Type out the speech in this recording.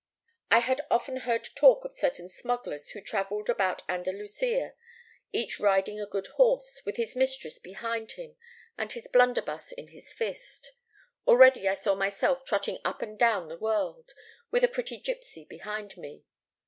"I had often heard talk of certain smugglers who travelled about Andalusia, each riding a good horse, with his mistress behind him and his blunderbuss in his fist. Already I saw myself trotting up and down the world, with a pretty gipsy behind me.